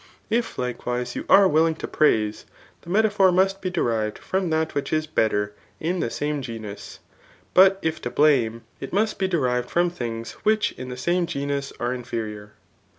If like^se you are willing to praise, the metaphor must be derived fpom dMt which is better in the same goius; but if jto blarney it must be derived from things which in the sauiegenvs are ioferior.